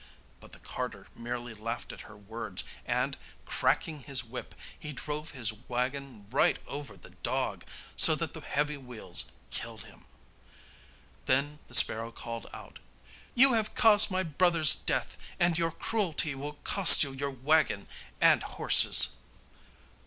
But the carter merely laughed at her words, and, cracking his whip, he drove his waggon right over the dog, so that the heavy wheels killed him. Then the sparrow called out: 'You have caused my brother's death, and your cruelty will cost you your waggon and horses.